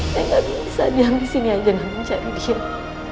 saya gak bisa diam di sini aja gak mencari dia